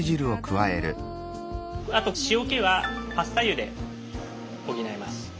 あと塩気はパスタ湯で補います。